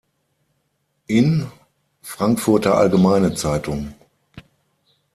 In: "Frankfurter Allgemeine Zeitung.